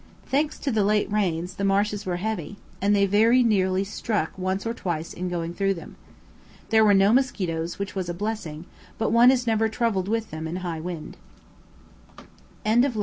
Thanks to the late rains the marshes were heavy, and they very nearly stuck once or twice in going through them. There were no mosquitoes, which was a blessing, but one is never troubled with them in a high wind. July 9.